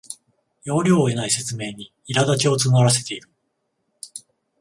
要領を得ない説明にいらだちを募らせている